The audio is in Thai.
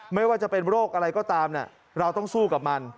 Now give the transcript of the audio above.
ไม่ว่าจะเป็นโรคอะไรก็ตามเราต้องสู้กับมัน